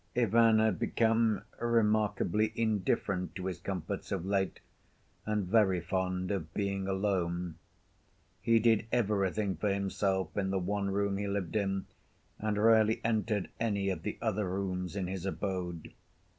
Ivan had become remarkably indifferent to his comforts of late, and very fond of being alone. He did everything for himself in the one room he lived in, and rarely entered any of the other rooms in his abode.